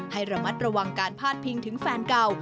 ให้ระมัดระวังการพาดพิงถึงแฟนเก่า